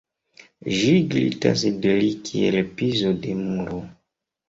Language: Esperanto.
Ĝi glitas de li kiel pizo de muro.